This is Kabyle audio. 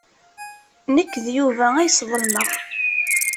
Nekk d Yuba ay sḍelmeɣ.